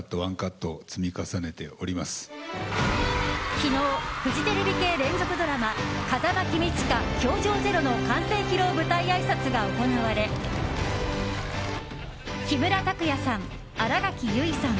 昨日、フジテレビ系連続ドラマ「風間公親‐教場０‐」の完成披露舞台あいさつが行われ木村拓哉さん、新垣結衣さん